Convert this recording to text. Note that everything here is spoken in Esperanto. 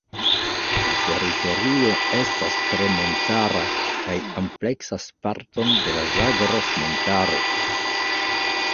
La teritorio estas tre montara kaj ampleksas parton de la Zagros-Montaro.